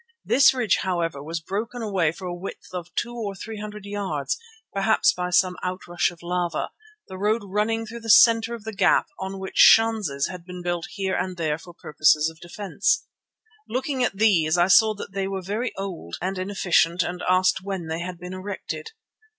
This ridge, however, was broken away for a width of two or three hundred yards, perhaps by some outrush of lava, the road running through the centre of the gap on which schanzes had been built here and there for purposes of defence. Looking at these I saw that they were very old and inefficient and asked when they had been erected.